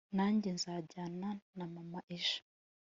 Nanjye nzajyana na mama ejo